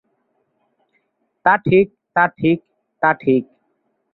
তা ঠিক, তা ঠিক, তা ঠিক!